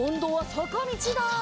さかみちだ！